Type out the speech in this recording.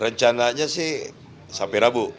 rencananya sih sampai rabu